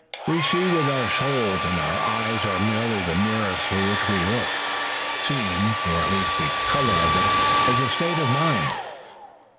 "We see with our souls, and our eyes are merely the mirrors through which we look. Seeing, or at least the color of it, is a state of mind."